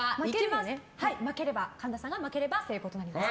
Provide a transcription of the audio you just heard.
神田さんが負ければ成功です。